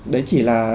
đấy chỉ là